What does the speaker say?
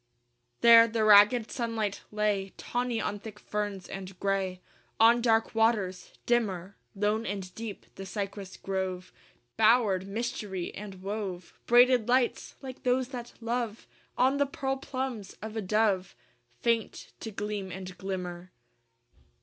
I There the ragged sunlight lay Tawny on thick ferns and gray On dark waters: dimmer, Lone and deep, the cypress grove Bowered mystery and wove Braided lights, like those that love On the pearl plumes of a dove Faint to gleam and glimmer.